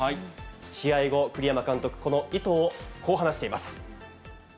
試合後、栗山監督、この意図をこう話しています。